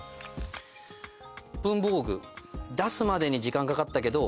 「文房具出すまでに時間かかったけど」